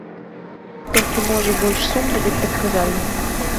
Толькі, можа, больш сумна і прадказальна.